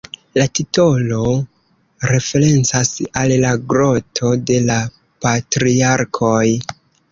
La titolo referencas al la Groto de la Patriarkoj.